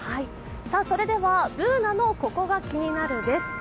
それではＢｏｏｎａの「ココがキニナル」です。